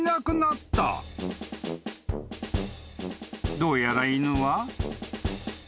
［どうやら犬は］